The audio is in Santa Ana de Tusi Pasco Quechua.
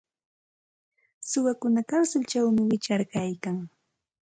Suwakuna karsilćhawmi wichqaryarkan.